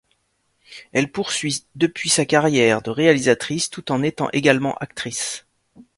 Elle poursuit depuis sa carrière de réalisatrice tout en étant également actrice.